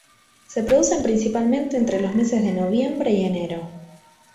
Se producen principalmente entre los meses de noviembre y enero.